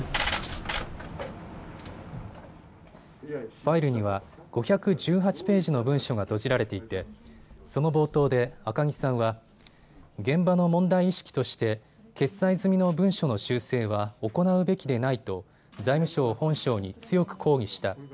ファイルには５１８ページの文書がとじられていてその冒頭で赤木さんは現場の問題意識として決裁済の文書の修正は行うべきでないと財務省本省に強く抗議した。